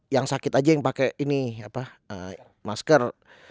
yang sakit aja yang pakai ini masker